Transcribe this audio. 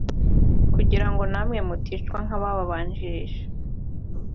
kugirango namwe muticwa nk’ababanjirije